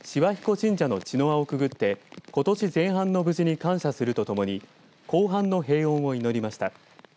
神社の茅の輪をくぐってことし前半の無事に感謝するとともに後半の平穏を祈りました。